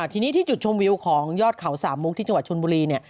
ทีนี้ที่จุดชมวิวของยอดเขาสามมุกที่จังหวัดชนบุรีเนี่ย